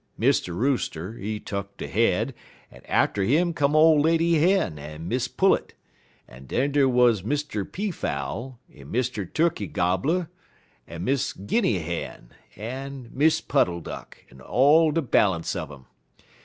Mr. Rooster, he tuck de head, en atter 'im come ole lady Hen en Miss Pullet, en den dar wuz Mr. Peafowl, en Mr. Tukkey Gobbler, en Miss Guinny Hen, en Miss Puddle Duck, en all de balance un um.